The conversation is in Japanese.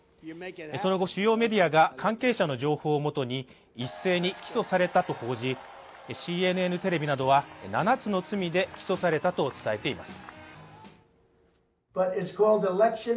その後、主要メディアが、関係者の情報をもとに、一斉に起訴されたと報じＣＮＮテレビなどは７つの罪で起訴されたと伝えています。